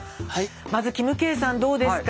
まずキムケイさんどうですか。